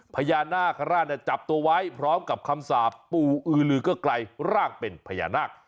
พญานาคาราชจับตัวไว้พร้อมกับคำสาปปู่อือลือก็ไกลร่างเป็นพญานาค